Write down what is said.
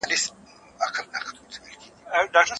موږ کولای سو د افلاطون کتاب ته اشاره وکړو.